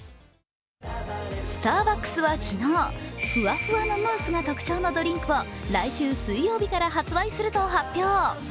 スターバックスは昨日ふわふわのムースが特徴のドリンクを来週水曜日から発売すると発表。